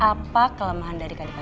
apa kelemahan dari kadipaten ini